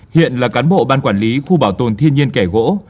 hiện là cán bộ ban quản lý khu bảo tồn thiên nhiên kẻ gỗ